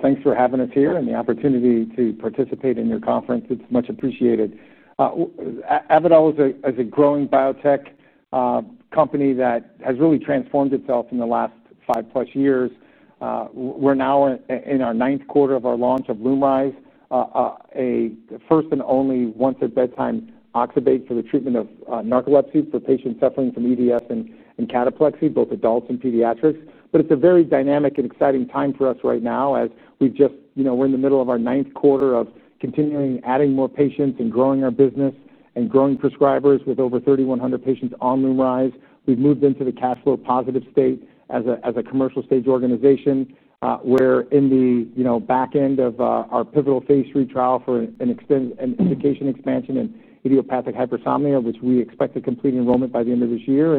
Thanks for having us here and the opportunity to participate in your conference. It's much appreciated. Avadel is a growing biotech company that has really transformed itself in the last five-plus years. We're now in our ninth quarter of our launch of LUMRYZ, a first and only once-at-bedtime oxybate for the treatment of narcolepsy for patients suffering from EDS and cataplexy, both adults and pediatrics. It's a very dynamic and exciting time for us right now as we're in the middle of our ninth quarter of continuing adding more patients and growing our business and growing prescribers with over 3,100 patients on LUMRYZ. We've moved into the cash flow positive state as a commercial stage organization. We're in the back end of our pivotal phase III trial for an indication expansion in idiopathic hypersomnia, which we expect to complete enrollment by the end of this year.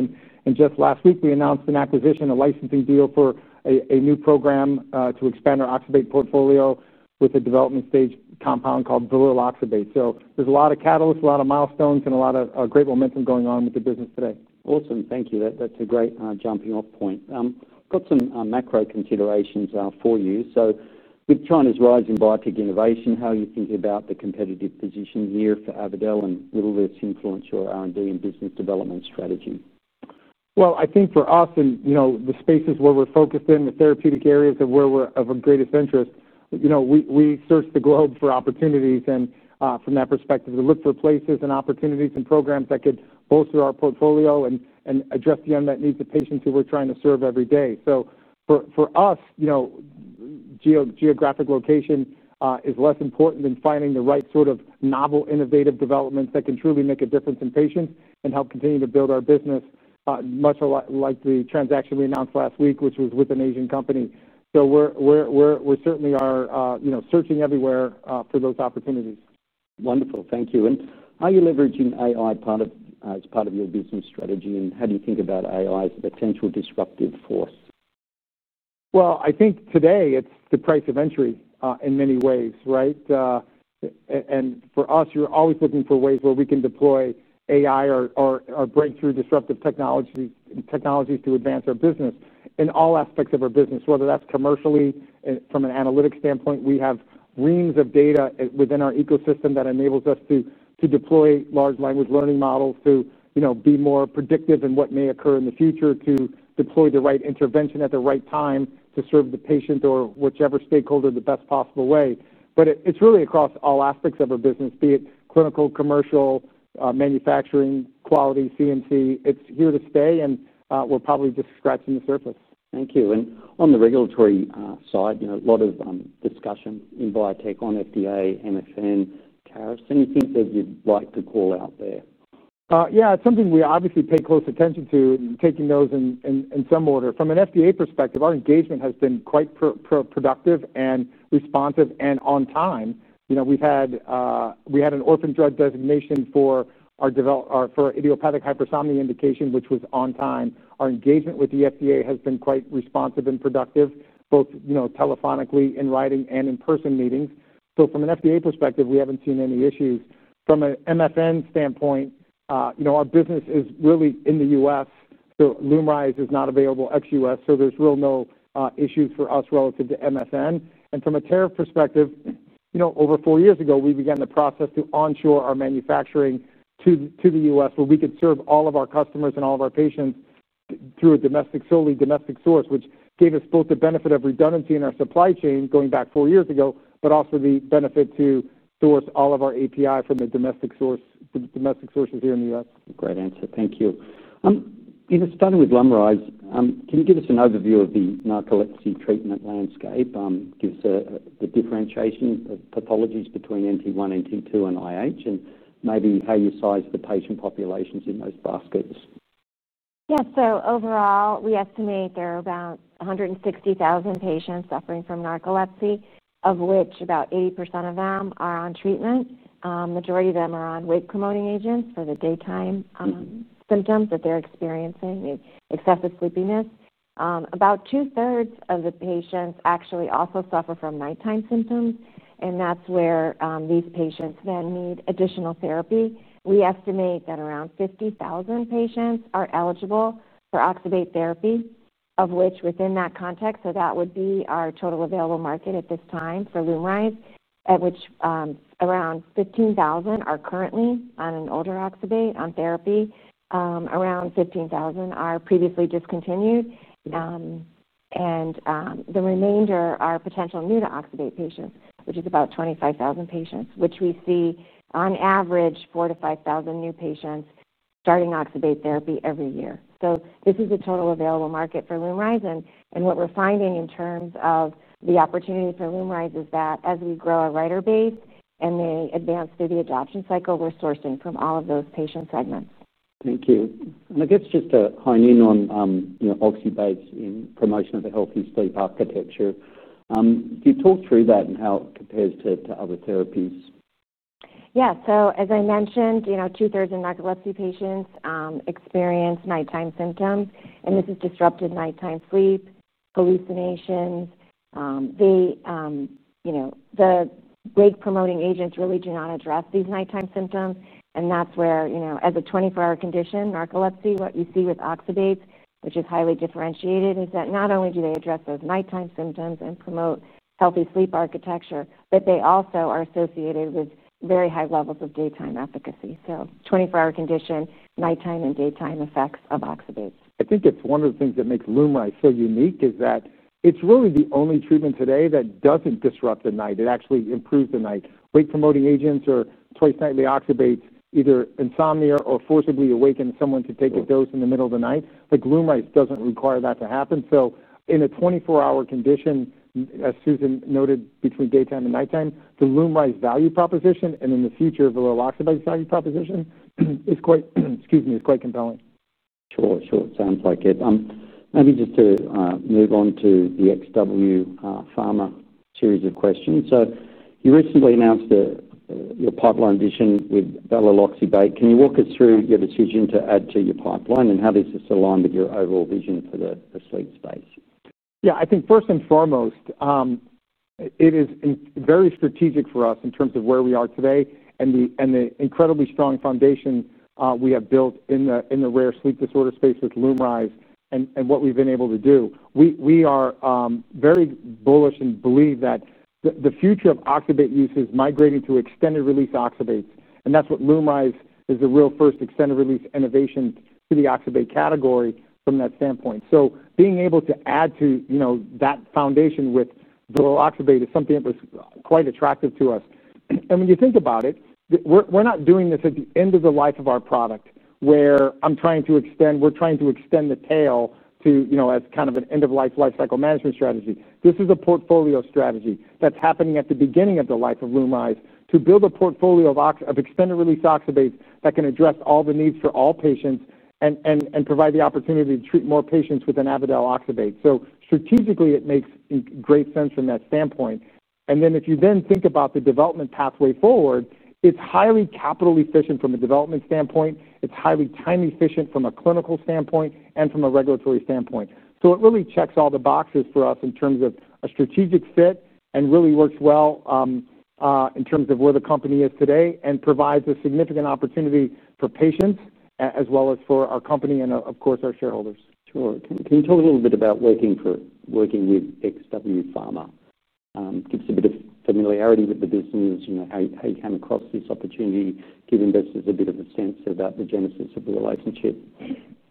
Just last week, we announced an acquisition, a licensing deal for a new program to expand our oxybate portfolio with a development stage compound called valiloxybate. There are a lot of catalysts, a lot of milestones, and a lot of great momentum going on with the business today. Awesome. Thank you. That's a great jumping-off point. I have some macro considerations for you. With China's rising biotech innovation, how are you thinking about the competitive position here for Avadel, and will this influence your R&D and business development strategy? I think for us, in the spaces where we're focused in, the therapeutic areas of where we're of greatest interest, we search the globe for opportunities. From that perspective, we look for places and opportunities and programs that could bolster our portfolio and address the unmet needs of patients who we're trying to serve every day. For us, geographic location is less important than finding the right sort of novel, innovative developments that can truly make a difference in patients and help continue to build our business, much like the transaction we announced last week, which was with an Asian company. We certainly are searching everywhere for those opportunities. Wonderful. Thank you. Are you leveraging AI as part of your business strategy, and how do you think about AI as a potential disruptive force? I think today it's the price of entry in many ways, right? For us, you're always looking for ways where we can deploy AI or breakthrough disruptive technologies to advance our business in all aspects of our business, whether that's commercially from an analytics standpoint. We have reams of data within our ecosystem that enable us to deploy large language learning models to be more predictive in what may occur in the future, to deploy the right intervention at the right time to serve the patient or whichever stakeholder the best possible way. It's really across all aspects of our business, be it clinical, commercial, manufacturing, quality, CNC. It's here to stay, and we're probably just scratching the surface. Thank you. On the regulatory side, you know, a lot of discussion in biotech on FDA, MFN, tariffs. Any things that you'd like to call out there? Yeah, it's something we obviously pay close attention to, taking those in some order. From an FDA perspective, our engagement has been quite productive and responsive and on time. We had an orphan drug designation for our idiopathic hypersomnia indication, which was on time. Our engagement with the FDA has been quite responsive and productive, both telephonically, in writing, and in-person meetings. From an FDA perspective, we haven't seen any issues. From an MFN standpoint, our business is really in the U.S. LUMRYZ is not available ex-U.S., so there's really no issues for us relative to MFN. From a tariff perspective, over four years ago, we began the process to onshore our manufacturing to the U.S. where we could serve all of our customers and all of our patients through a solely domestic source, which gave us both the benefit of redundancy in our supply chain going back four years ago, but also the benefit to source all of our API from the domestic sources here in the U.S. Great answer. Thank you. In a study with LUMRYZ, can you give us an overview of the narcolepsy treatment landscape? Give us the differentiation of pathologies between NT1, NT2, and IH, and maybe how you size the patient populations in those baskets? Yeah, so overall, we estimate there are about 160,000 patients suffering from narcolepsy, of which about 80% of them are on treatment. The majority of them are on wake-promoting agents for the daytime symptoms that they're experiencing and excessive sleepiness. About two-thirds of the patients actually also suffer from nighttime symptoms, and that's where these patients then need additional therapy. We estimate that around 50,000 patients are eligible for oxybate therapy, of which within that context, so that would be our total available market at this time for LUMRYZ, at which around 15,000 are currently on an older oxybate therapy. Around 15,000 are previously discontinued. The remainder are potential new to oxybate patients, which is about 25,000 patients, which we see on average 4,000-5,000 new patients starting oxybate therapy every year. This is the total available market for LUMRYZ. What we're finding in terms of the opportunity for LUMRYZ is that as we grow a writer base and may advance through the adoption cycle, we're sourcing from all of those patient segments. Thank you. I guess just to hone in on oxybate in promotion of a healthy sleep architecture, can you talk through that and how it compares to other therapies? Yeah, as I mentioned, 2/3 of narcolepsy patients experience nighttime symptoms, and this is disrupted nighttime sleep, hallucinations. The wake-promoting agents really do not address these nighttime symptoms. That's where, as a 24-hour condition, narcolepsy, what you see with oxybate, which is highly differentiated, is that not only do they address those nighttime symptoms and promote healthy sleep architecture, but they also are associated with very high levels of daytime efficacy. A 24-hour condition, nighttime and daytime effects of oxybate. I think it's one of the things that makes LUMRYZ so unique is that it's really the only treatment today that doesn't disrupt the night. It actually improves the night. Wake-promoting agents are twice nightly oxybate, either insomnia or forcibly awaken someone to take a dose in the middle of the night. LUMRYZ doesn't require that to happen. In a 24-hour condition, as Susan noted, between daytime and nighttime, the LUMRYZ value proposition and in the future the LUMRYZ value proposition is quite compelling. Sure. Sounds like it. Maybe just to move on to the XWPharma series of questions. You recently announced your pipeline addition with valiloxybate. Can you walk us through your decision to add to your pipeline and how does this align with your overall vision for the sleep space? Yeah, I think first and foremost, it is very strategic for us in terms of where we are today and the incredibly strong foundation we have built in the rare sleep disorder space with LUMRYZ and what we've been able to do. We are very bullish and believe that the future of oxybate use is migrating to extended-release oxybate. That's what LUMRYZ is, a real first extended-release innovation to the oxybate category from that standpoint. Being able to add to that foundation with valiloxybate is something that was quite attractive to us. When you think about it, we're not doing this at the end of the life of our product where I'm trying to extend, we're trying to extend the tail as kind of an end-of-life lifecycle management strategy. This is a portfolio strategy that's happening at the beginning of the life of LUMRYZ to build a portfolio of extended-release oxybate that can address all the needs for all patients and provide the opportunity to treat more patients with an Avadel oxybate. Strategically, it makes great sense from that standpoint. If you then think about the development pathway forward, it's highly capital efficient from a development standpoint. It's highly time efficient from a clinical standpoint and from a regulatory standpoint. It really checks all the boxes for us in terms of a strategic fit and really works well in terms of where the company is today and provides a significant opportunity for patients as well as for our company and, of course, our shareholders. Sure. Can you talk a little bit about working with XWPharma? Give us a bit of familiarity with the business, you know, how you came across this opportunity, giving business a bit of a sense about the genesis of the relationship.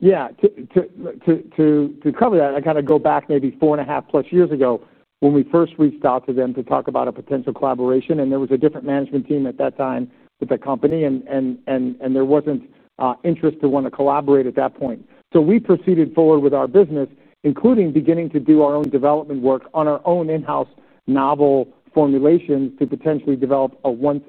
Yeah, to cover that, I got to go back maybe four and a half plus years ago when we first reached out to them to talk about a potential collaboration. There was a different management team at that time with the company, and there wasn't interest to want to collaborate at that point. We proceeded forward with our business, including beginning to do our own development work on our own in-house novel formulation to potentially develop a once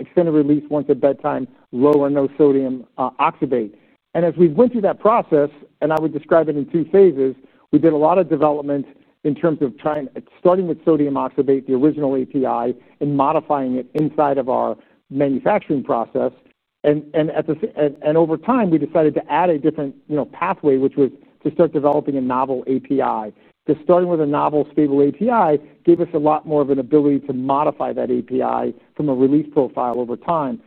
extended-release, once-at-bedtime, low and no sodium oxybate. As we went through that process, I would describe it in two phases. We did a lot of development in terms of trying, starting with sodium oxybate, the original API, and modifying it inside of our manufacturing process. At the same time, over time, we decided to add a different pathway, which was to start developing a novel API. Just starting with a novel stable API gave us a lot more of an ability to modify that API from a release profile over time.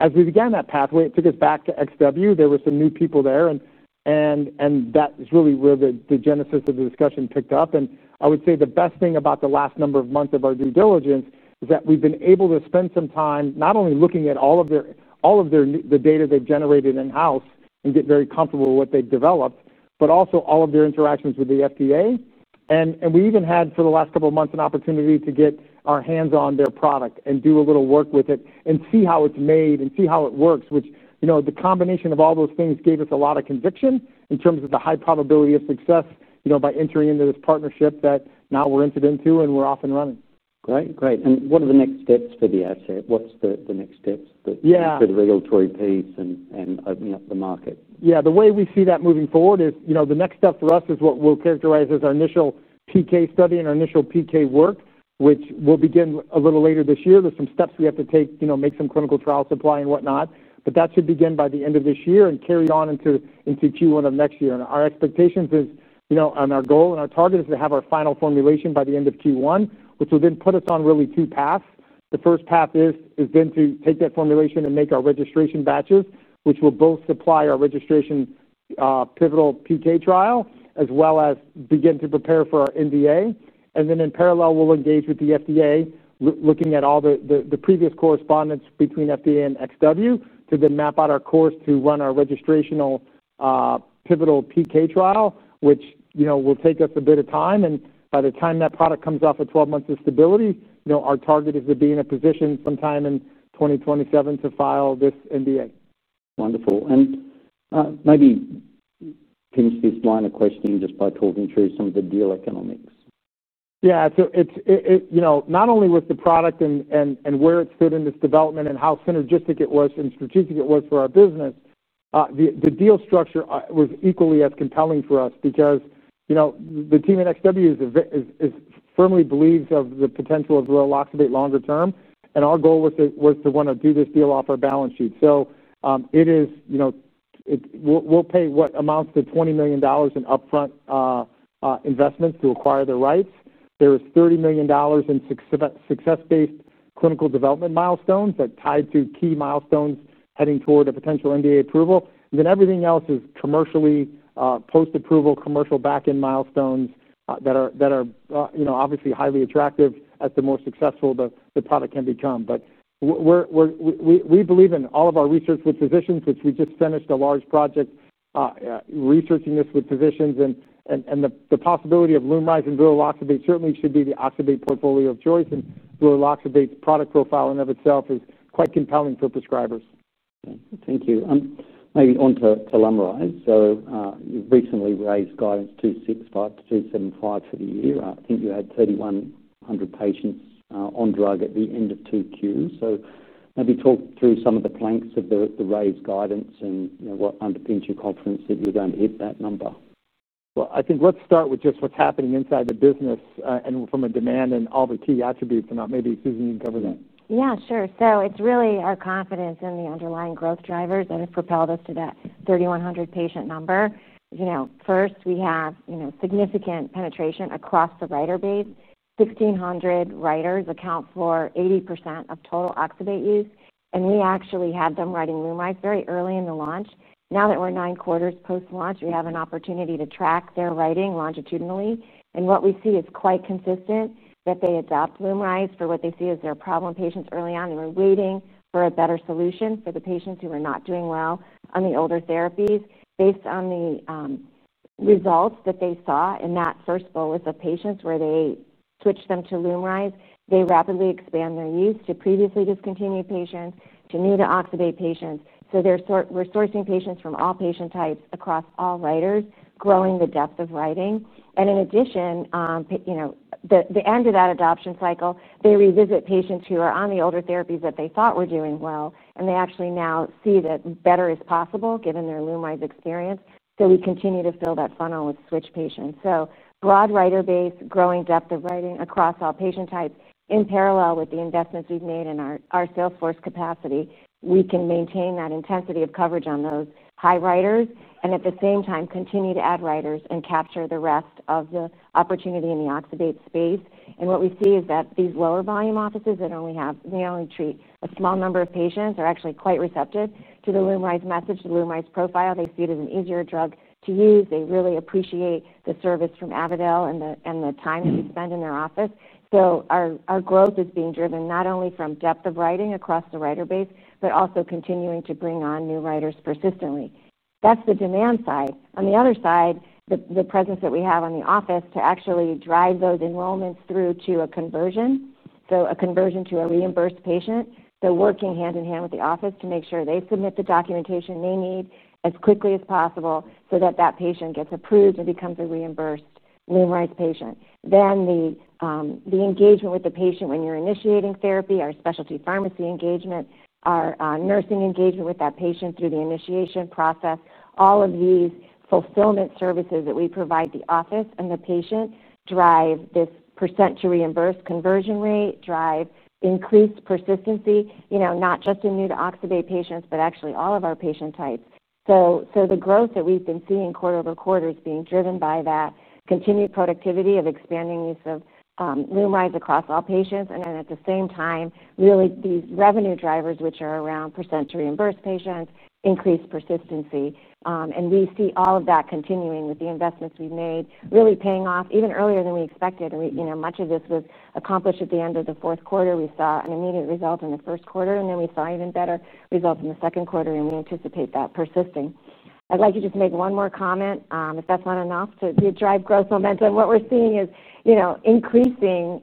As we began that pathway, it took us back to XW. There were some new people there, and that is really where the genesis of the discussion picked up. I would say the best thing about the last number of months of our due diligence is that we've been able to spend some time not only looking at all of the data they've generated in-house and get very comfortable with what they've developed, but also all of their interactions with the FDA. We even had for the last couple of months an opportunity to get our hands on their product and do a little work with it and see how it's made and see how it works, which, the combination of all those things gave us a lot of conviction in terms of the high probability of success by entering into this partnership that now we're entered into and we're off and running. Great, great. What are the next steps for the asset? What are the next steps for the regulatory piece and opening up the market? Yeah, the way we see that moving forward is the next step for us is what we'll characterize as our initial PK study and our initial PK work, which will begin a little later this year. There are some steps we have to take, make some clinical trial supply and whatnot, but that should begin by the end of this year and carry on into Q1 of next year. Our expectations is, and our goal and our target is to have our final formulation by the end of Q1, which will then put us on really two paths. The first path is to take that formulation and make our registration batches, which will both supply our registration pivotal PK trial, as well as begin to prepare for our NDA. In parallel, we'll engage with the FDA, looking at all the previous correspondence between FDA and XW to then map out our course to run our registrational pivotal PK trial, which will take us a bit of time. By the time that product comes off at 12 months of stability, our target is to be in a position sometime in 2027 to file this NDA. Wonderful. Maybe finish this line of questioning just by talking through some of the deal economics. Yeah, so it's, you know, not only was the product and where it's fit in this development and how synergistic it was and strategic it was for our business, the deal structure was equally as compelling for us because, you know, the team at XW firmly believers of the potential of valiloxybate longer term. Our goal was to want to do this deal off our balance sheet. It is, you know, we'll pay what amounts to $20 million in upfront investments to acquire the rights. There is $30 million in success-based clinical development milestones that tie to key milestones heading toward a potential NDA approval. Everything else is commercially post-approval, commercial back-end milestones that are, you know, obviously highly attractive as the more successful the product can become. We believe in all of our research with physicians, which we just finished a large project researching this with physicians. The possibility of LUMRYZ and valiloxybate certainly should be the oxybate portfolio of choice. Valiloxybate's product profile in and of itself is quite compelling for prescribers. Thank you. Maybe onto LUMRYZ. You've recently raised guidance to $265 million-$275 million for the year. I think you had 3,100 patients on drug at the end of Q2. Maybe talk through some of the planks of the raised guidance and what underpins your confidence that you're going to hit that number. I think let's start with just what's happening inside the business and from a demand and all the key attributes. Maybe Susan can cover them. Yeah, sure. It's really our confidence in the underlying growth drivers that have propelled us to that 3,100 patient number. First, we have significant penetration across the writer base. 1,600 writers account for 80% of total oxybate use, and we actually had them writing LUMRYZ very early in the launch. Now that we're nine quarters post-launch, we have an opportunity to track their writing longitudinally. What we see is quite consistent: they adopt LUMRYZ for what they see as their problem patients early on and were waiting for a better solution for the patients who are not doing well on the older therapies. Based on the results that they saw in that first bolus of patients where they switched them to LUMRYZ, they rapidly expand their use to previously discontinued patients, to new to oxybate patients. We're sourcing patients from all patient types across all writers, growing the depth of writing. In addition, at the end of that adoption cycle, they revisit patients who are on the older therapies that they thought were doing well, and they actually now see that better is possible given their LUMRYZ experience. We continue to fill that funnel with switch patients. Broad writer base, growing depth of writing across all patient types in parallel with the investments we've made in our salesforce capacity, we can maintain that intensity of coverage on those high writers and at the same time continue to add writers and capture the rest of the opportunity in the oxybate space. What we see is that these lower volume offices that only treat a small number of patients are actually quite receptive to the LUMRYZ message, the LUMRYZ profile. They see it as an easier drug to use. They really appreciate the service from Avadel and the time that you spend in their office. Our growth is being driven not only from depth of writing across the writer base, but also continuing to bring on new writers persistently. That's the demand side. On the other side, the presence that we have in the office to actually drive those enrollments through to a conversion, a conversion to a reimbursed patient, working hand in hand with the office to make sure they submit the documentation they need as quickly as possible so that patient gets approved and becomes a reimbursed LUMRYZ patient. The engagement with the patient when you're initiating therapy, our specialty pharmacy engagement, our nursing engagement with that patient through the initiation process, all of these fulfillment services that we provide the office and the patient drive this percent to reimburse conversion rate, drive increased persistency, not just in new to oxybate patients, but actually all of our patient types. The growth that we've been seeing quarter-over-quarter is being driven by that continued productivity of expanding use of LUMRYZ across all patients. At the same time, these revenue drivers, which are around percent to reimburse patients, increase persistency. We see all of that continuing with the investments we've made, really paying off even earlier than we expected. Much of this was accomplished at the end of the fourth quarter. We saw an immediate result in the first quarter, and then we saw even better results in the second quarter, and we anticipate that persisting. I'd like to just make one more comment if that's not enough to drive growth momentum. What we're seeing is increasing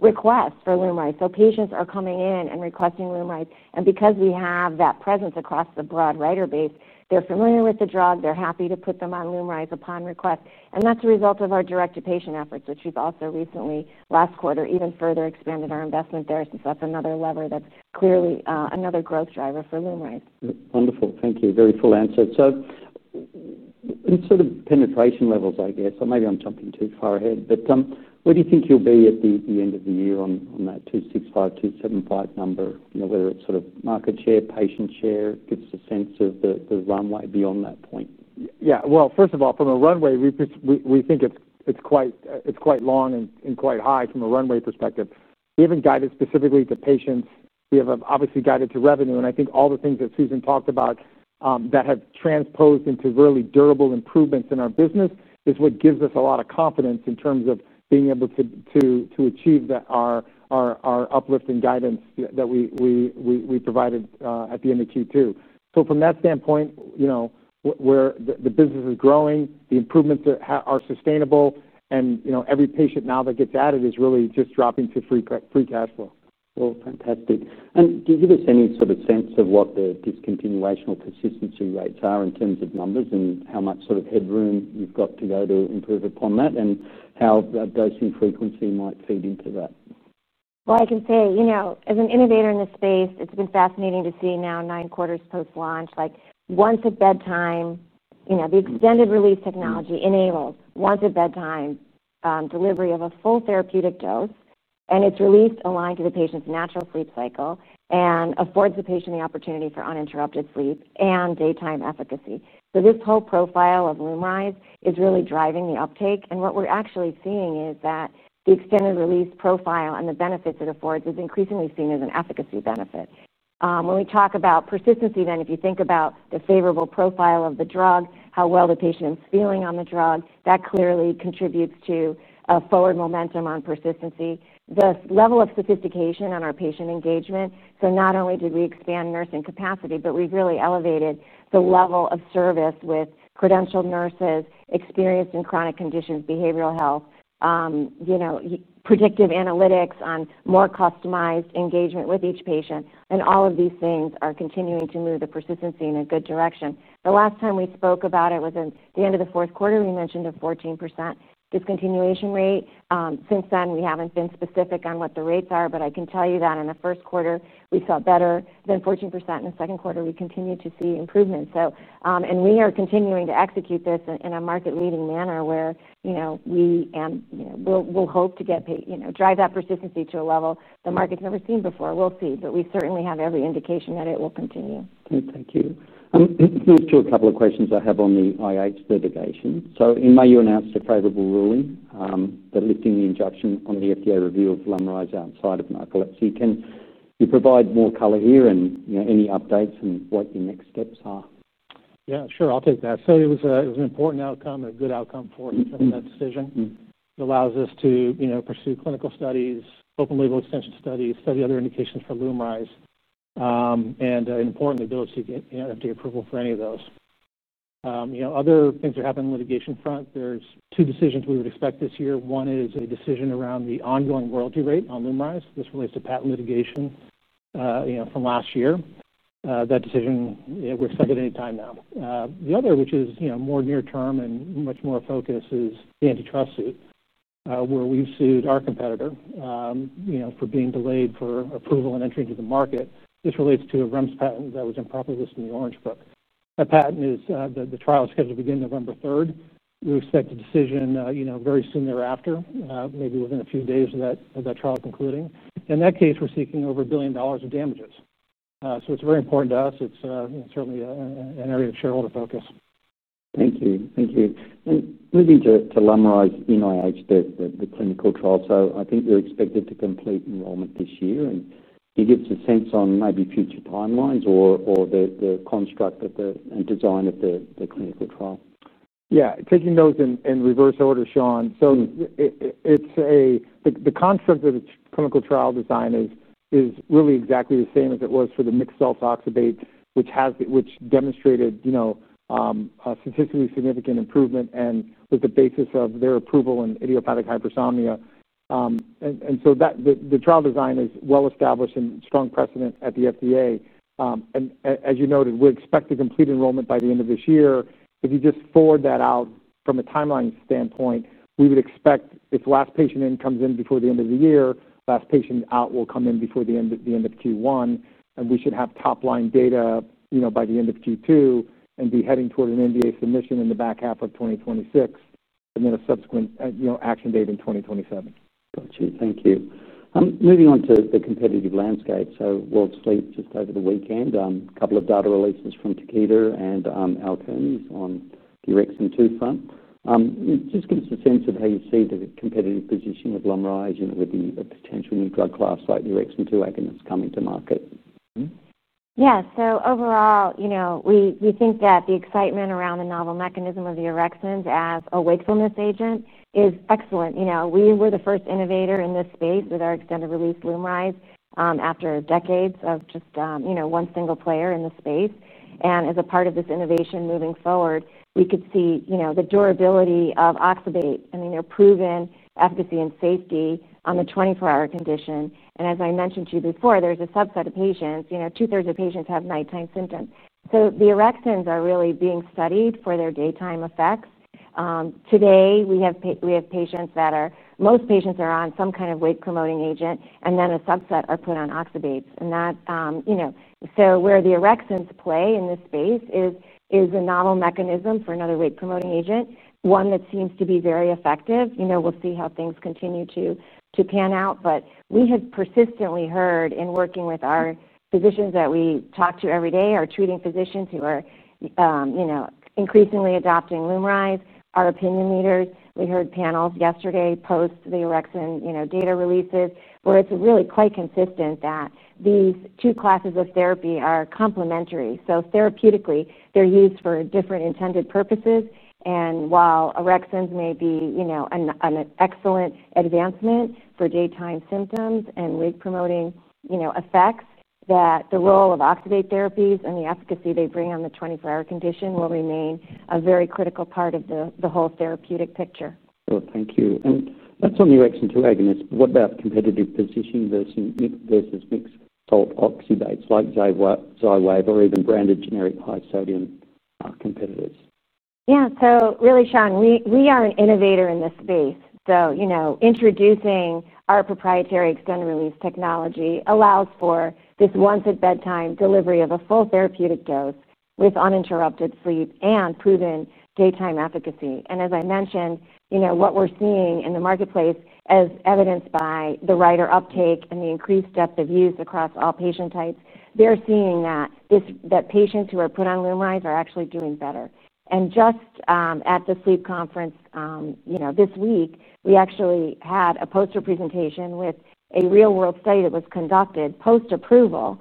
requests for LUMRYZ. Patients are coming in and requesting LUMRYZ. Because we have that presence across the broad writer base, they're familiar with the drug. They're happy to put them on LUMRYZ upon request. That's a result of our direct-to-patient efforts, which we've also recently, last quarter, even further expanded our investment there. That's another lever that's clearly another growth driver for LUMRYZ. Wonderful. Thank you. Very full answer. In terms of penetration levels, I guess, or maybe I'm jumping too far ahead, but where do you think you'll be at the end of the year on that $265 million-$275 million number, you know, whether it's sort of market share, patient share, gives us a sense of the runway beyond that point? First of all, from a runway, we think it's quite long and quite high from a runway perspective. We haven't guided specifically to patients. We have obviously guided to revenue. I think all the things that Susan talked about that have transposed into really durable improvements in our business is what gives us a lot of confidence in terms of being able to achieve our uplifting guidance that we provided at the end of Q2. From that standpoint, the business is growing, the improvements are sustainable, and every patient now that gets added is really just dropping to free cash flow. Fantastic. Do you give us any sort of sense of what the discontinuation or persistency rates are in terms of numbers and how much sort of headroom you've got to go to improve upon that, and how that dosing frequency might feed into that? As an innovator in this space, it's been fascinating to see now nine quarters post-launch, like once at bedtime, the extended release technology enables once at bedtime delivery of a full therapeutic dose, and it's released aligned to the patient's natural sleep cycle and affords the patient the opportunity for uninterrupted sleep and daytime efficacy. This whole profile of LUMRYZ is really driving the uptake. What we're actually seeing is that the extended release profile and the benefits it affords is increasingly seen as an efficacy benefit. When we talk about persistency, if you think about the favorable profile of the drug, how well the patient is feeling on the drug, that clearly contributes to a forward momentum on persistency. The level of sophistication on our patient engagement, not only did we expand nursing capacity, but we really elevated the level of service with credentialed nurses, experienced in chronic conditions, behavioral health, predictive analytics on more customized engagement with each patient. All of these things are continuing to move the persistency in a good direction. The last time we spoke about it was at the end of the fourth quarter. We mentioned a 14% discontinuation rate. Since then, we haven't been specific on what the rates are, but I can tell you that in the first quarter, we felt better than 14%. In the second quarter, we continued to see improvements. We are continuing to execute this in a market-leading manner where we will hope to drive that persistency to a level the market's never seen before. We'll see, but we certainly have every indication that it will continue. Great, thank you. Moving to a couple of questions I have on the IH delegation. In May, you announced a favorable ruling that lifted the injunction on the FDA review of LUMRYZ outside of narcolepsy. Can you provide more color here and any updates and what the next steps are? Yeah, sure, I'll take that. It was an important outcome and a good outcome for us in that decision. It allows us to pursue clinical studies, open label extension studies, study other indications for LUMRYZ, and importantly, build FDA approval for any of those. Other things that happen on the litigation front, there's two decisions we would expect this year. One is a decision around the ongoing royalty rate on LUMRYZ. This relates to patent litigation from last year. That decision, we're expecting anytime now. The other, which is more near-term and much more focused, is the antitrust suit where we've sued our competitor for being delayed for approval and entry into the market. This relates to a REMS patent that was improperly listed in the Orange Book. The trial is scheduled to begin November 3rd. We expect a decision very soon thereafter, maybe within a few days of that trial concluding. In that case, we're seeking over $1 billion of damages. It's very important to us. It's certainly an area of shareholder focus. Thank you. Thank you. Moving to LUMRYZ in IH, the clinical trial, I think they're expected to complete enrollment this year. Can you give us a sense on maybe future timelines or the construct of the design of the clinical trial? Yeah, taking those in reverse order, Sean. The construct of the clinical trial design is really exactly the same as it was for the mixed salt oxybate, which demonstrated a statistically significant improvement and was the basis of their approval in idiopathic hypersomnia. The trial design is well established and strong precedent at the FDA. As you noted, we expect to complete enrollment by the end of this year. If you just forward that out from a timeline standpoint, we would expect if the last patient comes in before the end of the year, the last patient out will come in before the end of Q1. We should have top-line data by the end of Q2 and be heading toward an NDA submission in the back half of 2026 and then a subsequent action date in 2027. Got you. Thank you. Moving on to the competitive landscape. World Sleep just over the weekend, a couple of data releases from Takeda and Alkermes on the orexin-2 front. You know, just give us a sense of how you see the competitive position of LUMRYZ and with the potential new drug class like the orexin-2 agonist coming to market. Yeah, so overall, you know, we think that the excitement around the novel mechanism of the orexins as a wakefulness agent is excellent. You know, we were the first innovator in this space with our extended-release LUMRYZ after decades of just, you know, one single player in the space. As a part of this innovation moving forward, we could see, you know, the durability of oxybate. I mean, their proven efficacy and safety on the 24-hour condition. As I mentioned to you before, there's a subset of patients, you know, 2/3 of patients have nighttime symptoms. The orexins are really being studied for their daytime effects. Today, we have patients that are, most patients are on some kind of wake-promoting agent and then a subset are put on oxybate. Where the orexins play in this space is a novel mechanism for another wake-promoting agent, one that seems to be very effective. You know, we'll see how things continue to pan out. We have persistently heard in working with our physicians that we talk to every day, our treating physicians who are, you know, increasingly adopting LUMRYZ, our opinion leaders. We heard panels yesterday post the orexin data releases where it's really quite consistent that these two classes of therapy are complementary. Therapeutically, they're used for different intended purposes. While orexins may be, you know, an excellent advancement for daytime symptoms and wake-promoting, you know, effects, the role of oxybate therapies and the efficacy they bring on the 24-hour condition will remain a very critical part of the whole therapeutic picture. Thank you. That's on the orexin agonist. What about the competitive positioning versus mixed salt oxybate like XYWAV or even branded generic high sodium competitors? Yeah, so really, Sean, we are an innovator in this space. Introducing our proprietary extended release technology allows for this once at bedtime delivery of a full therapeutic dose with uninterrupted sleep and proven daytime efficacy. As I mentioned, what we're seeing in the marketplace is evidenced by the broader uptake and the increased depth of use across all patient types. They're seeing that patients who are put on LUMRYZ are actually doing better. Just at the Sleep Conference this week, we actually had a poster presentation with a real-world study that was conducted post-approval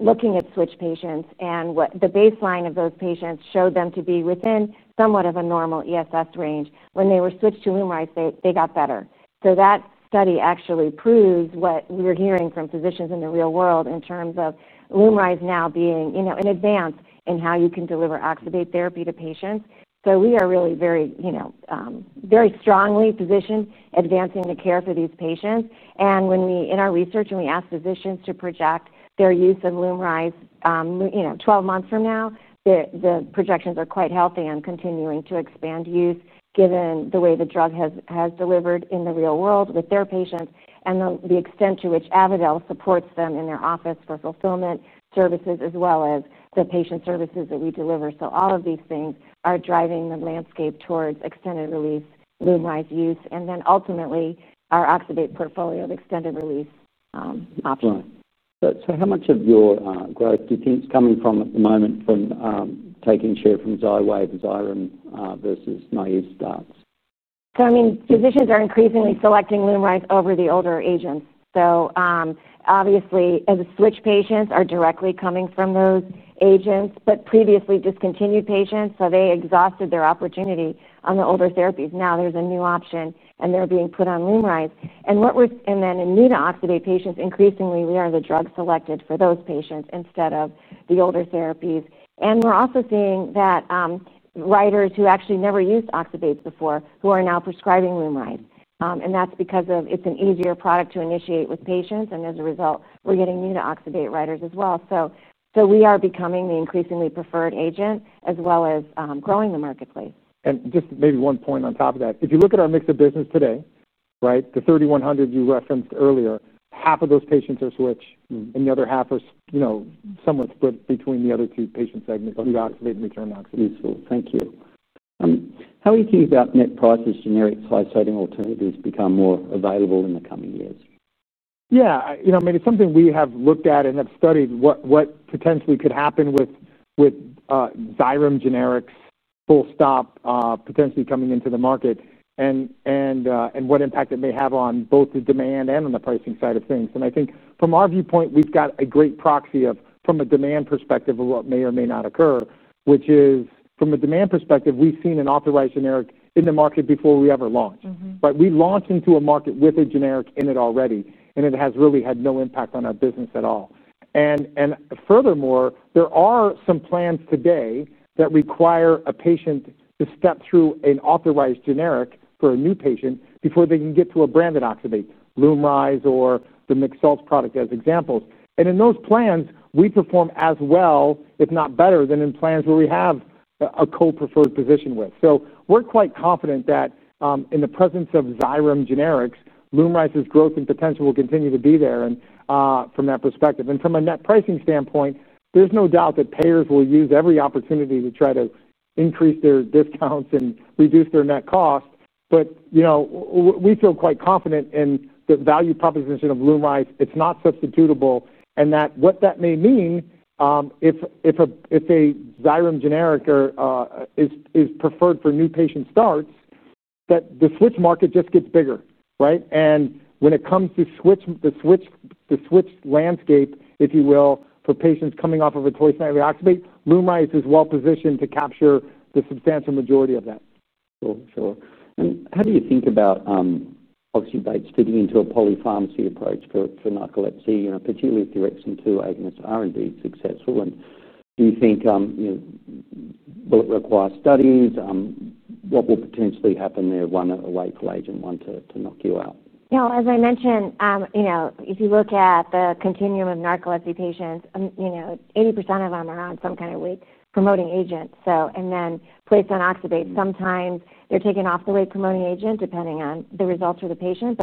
looking at switch patients. What the baseline of those patients showed them to be within somewhat of a normal ESS range. When they were switched to LUMRYZ, they got better. That study actually proves what we were hearing from physicians in the real world in terms of LUMRYZ now being an advance in how you can deliver oxybate therapy to patients. We are really very strongly positioned advancing the care for these patients. When we in our research ask physicians to project their use of LUMRYZ 12 months from now, the projections are quite healthy and continuing to expand use given the way the drug has delivered in the real world with their patients and the extent to which Avadel supports them in their office for fulfillment services as well as the patient services that we deliver. All of these things are driving the landscape towards extended release LUMRYZ use and then ultimately our oxybate portfolio of extended release options. How much of your growth do you think is coming at the moment from taking share from XYWAV and XYREM versus Naive Starts? I mean, physicians are increasingly selecting LUMRYZ over the older agents. Obviously, as it switched, patients are directly coming from those agents, but previously discontinued patients, so they exhausted their opportunity on the older therapies. Now there's a new option and they're being put on LUMRYZ. What we're seeing then in need of oxybate patients, increasingly, we are the drug selected for those patients instead of the older therapies. We're also seeing that writers who actually never used oxybate before are now prescribing LUMRYZ. That's because it's an easier product to initiate with patients. As a result, we're getting need of oxybate writers as well. We are becoming the increasingly preferred agent as well as growing the marketplace. Maybe one point on top of that. If you look at our mix of business today, right, the 3,100 you referenced earlier, half of those patients are switched and the other half are somewhere between the other two patient segments, need oxybate and return oxybate. Thank you. How are you thinking about next process generics, high sodium alternatives become more available in the coming years? Yeah, you know, I mean, it's something we have looked at and have studied what potentially could happen with XYREM generics full stop potentially coming into the market and what impact it may have on both the demand and on the pricing side of things. I think from our viewpoint, we've got a great proxy from a demand perspective of what may or may not occur, which is from a demand perspective, we've seen an authorized generic in the market before we ever launched. We launched into a market with a generic in it already, and it has really had no impact on our business at all. Furthermore, there are some plans today that require a patient to step through an authorized generic for a new patient before they can get to a branded oxybate, LUMRYZ, or the mixed salt product as examples. In those plans, we perform as well, if not better, than in plans where we have a co-preferred position with. We're quite confident that in the presence of XYREM generics, LUMRYZ's growth and potential will continue to be there from that perspective. From a net pricing standpoint, there's no doubt that payers will use every opportunity to try to increase their discounts and reduce their net cost. You know, we feel quite confident in the value proposition of LUMRYZ. It's not substitutable. What that may mean if a XYREM generic is preferred for new patient starts is that the switch market just gets bigger, right? When it comes to the switch landscape, if you will, for patients coming off of a twice nightly oxybate, LUMRYZ is well positioned to capture the substantial majority of that. Sure. How do you think about oxybate fitting into a polypharmacy approach for narcolepsy, particularly if the orexin-2 agonists are indeed successful? Do you think it will require studies? What will potentially happen there, one away from agent, one to knock you out? As I mentioned, if you look at the continuum of narcolepsy patients, 80% of them are on some kind of wake-promoting agent and then placed on oxybate. In many cases, they're not taken off the wake-promoting agent depending on the results for the patient.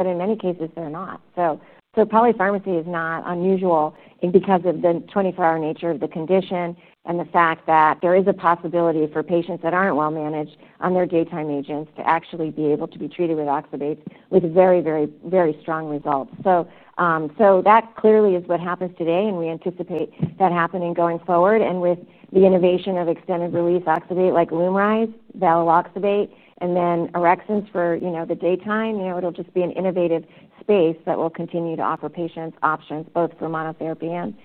Polypharmacy is not unusual because of the 24-hour nature of the condition and the fact that there is a possibility for patients that aren't well managed on their daytime agents to actually be able to be treated with oxybate with very, very, very strong results. That clearly is what happens today. We anticipate that happening going forward. With the innovation of extended-release oxybate like LUMRYZ, valiloxybate, and then orexins for the daytime, it'll just be an innovative space that will continue to offer patients options both for monotherapy and polypharmacy.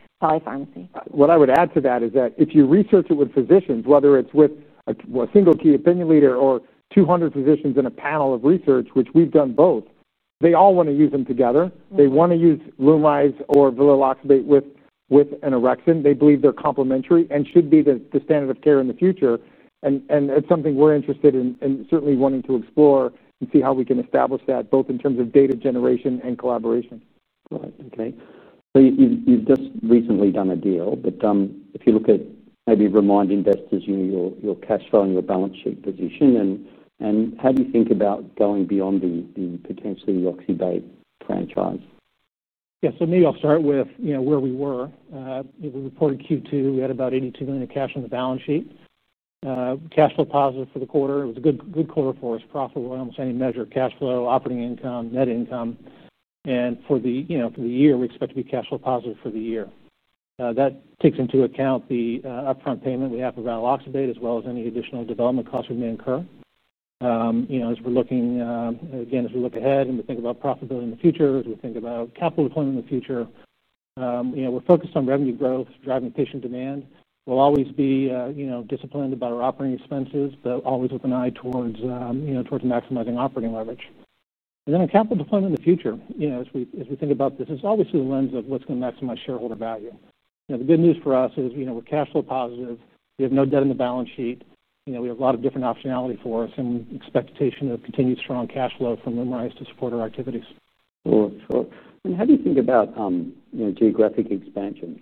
What I would add to that is that if you research it with physicians, whether it's with a single key opinion leader or 200 physicians in a panel of research, which we've done both, they all want to use them together. They want to use LUMRYZ or valiloxybate with an orexin, they believe they're complementary and should be the standard of care in the future. That's something we're interested in and certainly wanting to explore and see how we can establish that both in terms of data generation and collaboration. Right. Okay. You've just recently done a deal. If you look at maybe reminding investors, you know, your cash flow and your balance sheet position, how do you think about going beyond the potentially oxybate franchise? Yeah, so maybe I'll start with, you know, where we were. If we reported Q2, we had about $82 million in cash on the balance sheet. Cash flow positive for the quarter. It was a good quarter for us. Profitable in almost any measure: cash flow, operating income, net income. For the year, we expect to be cash flow positive for the year. That takes into account the upfront payment we have for valiloxybate, as well as any additional development costs we may incur. As we're looking, again, as we look ahead and we think about profitability in the future, as we think about capital deployment in the future, we're focused on revenue growth, driving patient demand. We'll always be disciplined about our operating expenses, but always with an eye towards maximizing operating leverage. On capital deployment in the future, as we think about this, it's obviously the lens of what's going to maximize shareholder value. The good news for us is we're cash flow positive. We have no debt in the balance sheet. We have a lot of different optionality for us and expectation of continued strong cash flow from LUMRYZ to support our activities. Sure. How do you think about, you know, geographic expansion?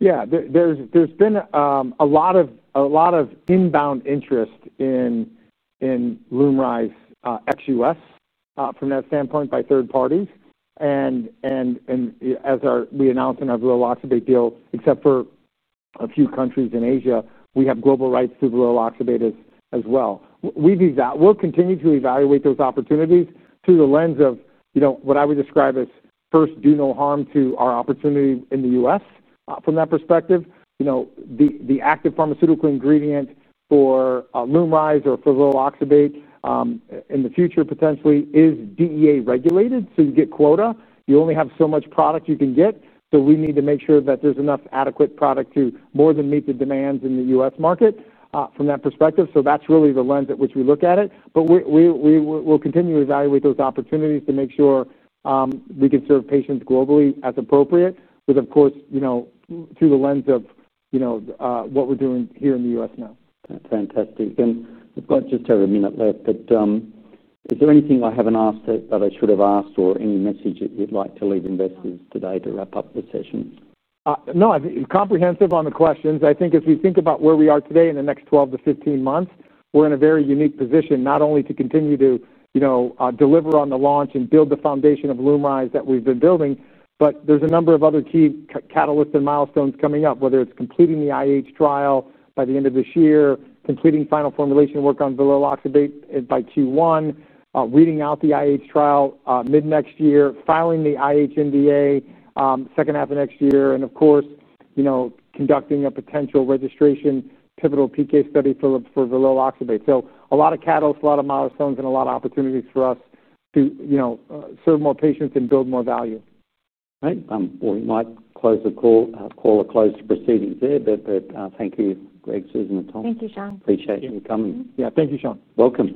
Yeah, there's been a lot of inbound interest in LUMRYZ ex-U.S. from that standpoint by third parties. As we announced in our valiloxybate deal, except for a few countries in Asia, we have global rights through valiloxybate as well. We've evaluated, we'll continue to evaluate those opportunities through the lens of, you know, what I would describe as first, do no harm to our opportunity in the U.S. from that perspective. You know, the active pharmaceutical ingredient for LUMRYZ or for valiloxybate in the future potentially is DEA regulated. You get quota, you only have so much product you can get. We need to make sure that there's enough adequate product to more than meet the demands in the U.S. market from that perspective. That's really the lens at which we look at it. We will continue to evaluate those opportunities to make sure we can serve patients globally as appropriate, with, of course, you know, through the lens of what we're doing here in the U.S. now. That's fantastic. We've got just over a minute left, but is there anything I haven't asked that I should have asked, or any message that you'd like to leave investors today to wrap up the session? No, I'm comprehensive on the questions. I think as we think about where we are today in the next 12-15 months, we're in a very unique position not only to continue to, you know, deliver on the launch and build the foundation of LUMRYZ that we've been building, but there's a number of other key catalysts and milestones coming up, whether it's completing the IH trial by the end of this year, completing final formulation work on valiloxybate by Q1, reading out the IH trial mid-next year, filing the IH NDA second half of next year, and of course, you know, conducting a potential registration pivotal PK study for valiloxybate. A lot of catalysts, a lot of milestones, and a lot of opportunities for us to, you know, serve more patients and build more value. Great. We might call a close to proceedings there. Thank you, Greg, Susan, and Tom. Thank you, Sean. Appreciate you coming. Yeah, thank you, Sean. Welcome.